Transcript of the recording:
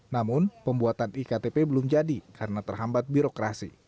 namun pembuatan iktp belum jadi karena terhambat birokrasi